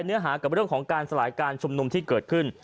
เนื้อหากับเรื่องของการสลายการชุมนุมที่เกิดขึ้น